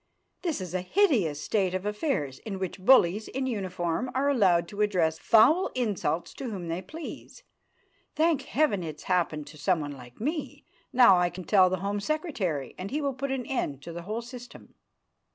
This is a hideous state of affairs in which bullies in uniform are allowed to address foul insults to whom they please. Thank heaven, it has happened to someone like me. Now, I can tell the Home Secretary, and he will put an end to the whole system."